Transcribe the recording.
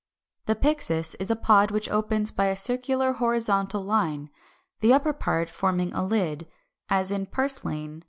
] 376. =The Pyxis= is a pod which opens by a circular horizontal line, the upper part forming a lid, as in Purslane (Fig.